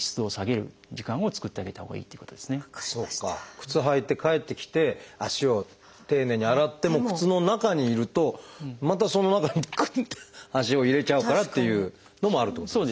靴履いて帰ってきて足を丁寧に洗っても靴の中にいるとまたその中にクッて足を入れちゃうからっていうのもあるってことですね。